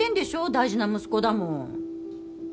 大事な息子だもん